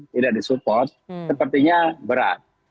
tidak disupport sepertinya berat